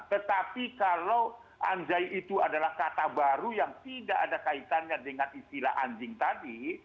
tetapi kalau anjai itu adalah kata baru yang tidak ada kaitannya dengan istilah anjing tadi